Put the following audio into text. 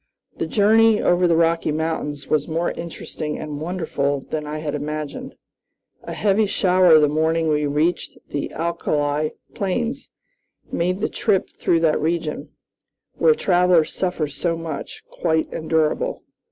The journey over the Rocky Mountains was more interesting and wonderful than I had imagined. A heavy shower the morning we reached the alkali plains made the trip through that region, where travelers suffer so much, quite endurable.